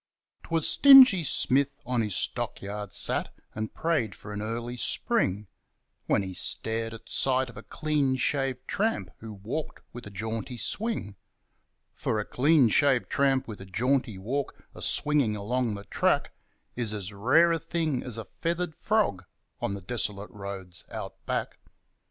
..... 'Twas Stingy Smith on his stockyard sat, and prayed for an early Spring, When he stared at sight of a clean shaved tramp, who walked with jaunty swing; For a clean shaved tramp with a jaunty walk a swinging along the track Is as rare a thing as a feathered frog on the desolate roads out back.